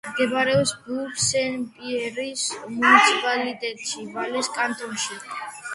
მდებარეობს ბურ-სენ-პიერის მუნიციპალიტეტში, ვალეს კანტონში.